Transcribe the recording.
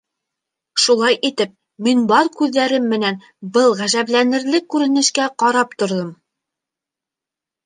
Шулай итеп, мин бар күҙҙәрем менән был ғәжәпләнерлек күренешкә ҡарап торҙом.